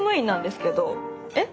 えっ？